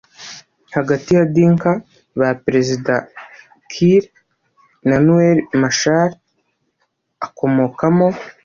hagati y’aba Dinka ba Perezida Kiir n’aba Nuer Machar akomokamo